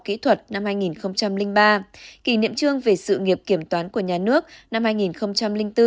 huy chương về khoa học kỹ thuật năm hai nghìn ba kỷ niệm chương về sự nghiệp kiểm toán của nhà nước năm hai nghìn bốn